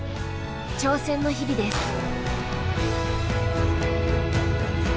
挑戦の日々です。